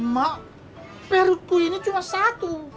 mak peruku ini cuma satu